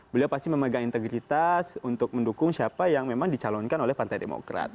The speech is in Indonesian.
beliau pasti memegang integritas untuk mendukung siapa yang memang dicalonkan oleh partai demokrat